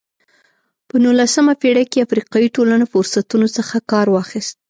په نولسمه پېړۍ کې افریقایي ټولنو فرصتونو څخه کار واخیست.